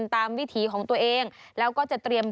วิถีของตัวเองแล้วก็จะเตรียม